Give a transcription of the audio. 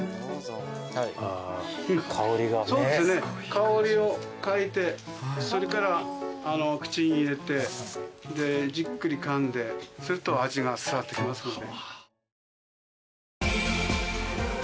香りを嗅いでそれから口に入れてじっくりかんですると味が伝わってきますので。